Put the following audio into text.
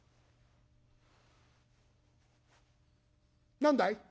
「何だい？」。